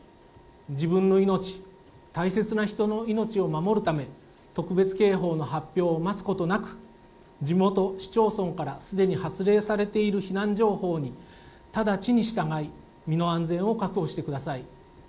自分の命、大切な人の命を守るため、特別警報の発表を待つことなく、地元市町村からすでに発令されている避難情報に直ちに従い、身の安全を確保してください。